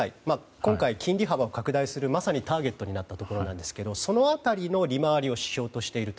今回、金利幅を拡大するまさにターゲットになったところなんですけれどもその辺りの利回りを指標としていると。